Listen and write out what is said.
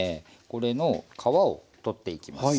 これの皮を取っていきます。